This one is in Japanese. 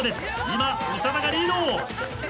今長田がリード。